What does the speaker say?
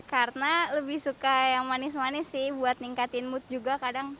karena lebih suka yang manis manis sih buat ningkatin mood juga kadang